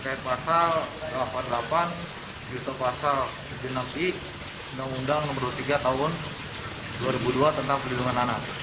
kepala yang kita sangkakan berkait pasal delapan puluh delapan jungto pasal tujuh puluh enam undang undang nomor dua puluh tiga tahun dua ribu dua tentang perlindungan anak